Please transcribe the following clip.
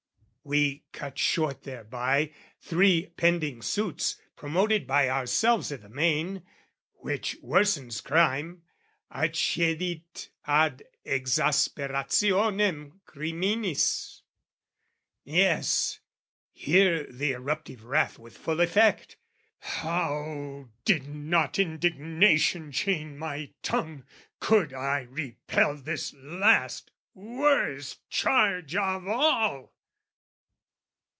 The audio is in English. We cut short thereby Three pending suits, promoted by ourselves I' the main, which worsens crime, accedit ad Exasperationem criminis! Yes, here the eruptive wrath with full effect! How did not indignation chain my tongue Could I repel this last, worst charge of all!